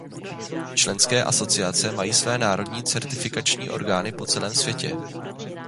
Členské asociace mají své národní certifikační orgány po celém světě.